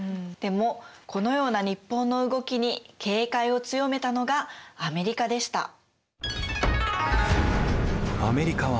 でもこのような日本の動きに警戒を強めたのがアメリカでした。